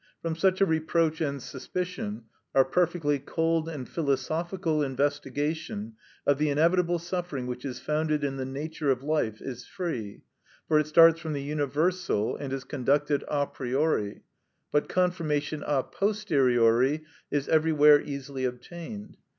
From such a reproach and suspicion our perfectly cold and philosophical investigation of the inevitable suffering which is founded in the nature of life is free, for it starts from the universal and is conducted a priori. But confirmation a posteriori is everywhere easily obtained.